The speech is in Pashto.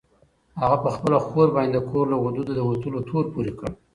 هغه په خپله خور باندې د کور له حدودو د وتلو تور پورې کړ.